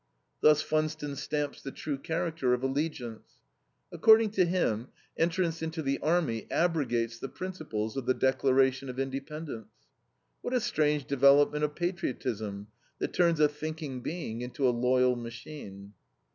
Thus Funston stamps the true character of allegiance. According to him, entrance into the army abrogates the principles of the Declaration of Independence. What a strange development of patriotism that turns a thinking being into a loyal machine!